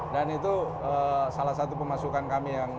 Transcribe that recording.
dan itu salah satu pemasukan kami yang jual